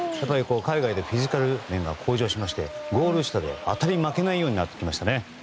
海外でフィジカル面が向上しまして、ゴール下で当たり負けないようになってきましたね。